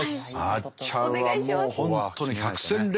あっちゃんはもう本当に百戦錬磨ですから。